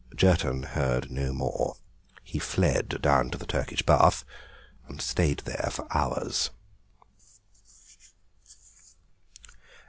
Jerton heard no more. He fled down to the Turkish bath, and stayed there for hours.